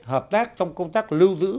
hợp tác trong công tác lưu giữ